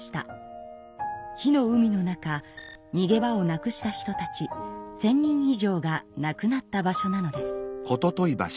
火の海の中にげ場をなくした人たち１，０００人以上が亡くなった場所なのです。